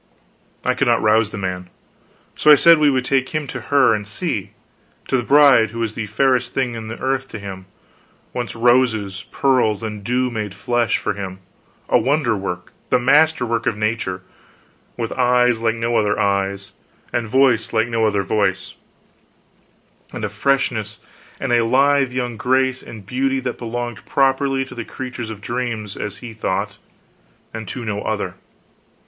I could not rouse the man; so I said we would take him to her, and see to the bride who was the fairest thing in the earth to him, once roses, pearls, and dew made flesh, for him; a wonder work, the master work of nature: with eyes like no other eyes, and voice like no other voice, and a freshness, and lithe young grace, and beauty, that belonged properly to the creatures of dreams as he thought and to no other.